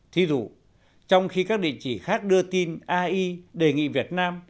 thí dụ trong khi các địa chỉ khác đưa tin ai đề nghị việt nam